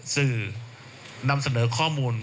สื่อนำเสนอข้อมูล